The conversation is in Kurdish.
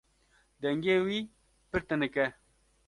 Dengê wî pir tenik e.